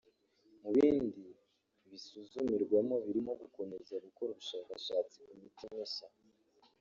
Mu bindi bisuzumirwamo birimo gukomeza gukora ubushakashatsi ku miti mishya